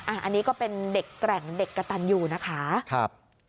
อันนี้ก็เป็นเด็กแกร่งเด็กกระตันอยู่นะคะครับ